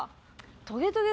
『トゲトゲ』